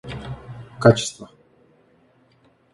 качество